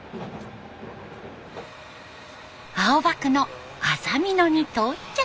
青葉区のあざみ野に到着。